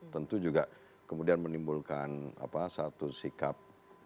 tentu juga kemudian menimbulkan satu sikap